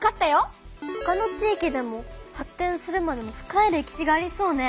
ほかの地域でも発展するまでの深い歴史がありそうね！